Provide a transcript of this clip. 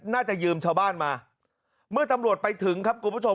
หาวหาวหาวหาวหาวหาวหาวหาวหาวหาว